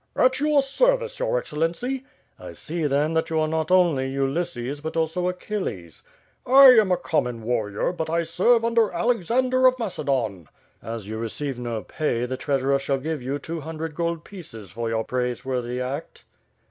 "At your service, your Excellency." "I see then that you are not only Ulysses but also Achilles." ^^ am a common warrior, but I serve under Alexander of Macedon." "As you receive no pay, the treasurer shall give you two hundred gold pieces for your praiseworthy act."